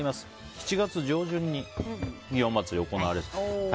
７月上旬に祇園祭が行われると。